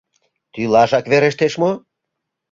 Тӱлашак верештеш мо?